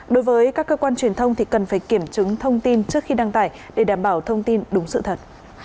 đối với các cơ quan truyền thông thì cần phải kiểm chứng thông tin trước khi đăng tải để đảm bảo thông tin đúng sự thật